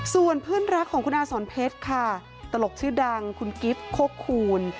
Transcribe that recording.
ส่วนเพื่อนรักของคุณอาสอนเพชรค่ะตลกชื่อดังคุณกิฟต์โคกคูณ